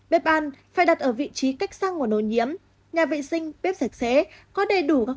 bếp ăn phải đặt ở vị trí cách sang nguồn ô nhiễm nhà vệ sinh bếp sạch sẽ có đầy đủ các